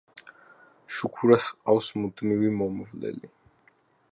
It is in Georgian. შუქურას ჰყავს მუდმივი მომვლელი.